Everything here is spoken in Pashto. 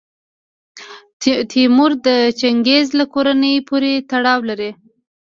تیمور د چنګیز له کورنۍ پورې تړاو لري.